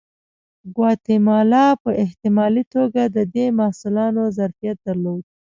ګواتیمالا په احتمالي توګه د دې محصولاتو ظرفیت درلود.